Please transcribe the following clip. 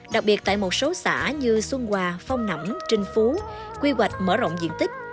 đặc biệt tại một số xã như xuân hòa phong nẵm trinh phú quy hoạch mở rộng diện tích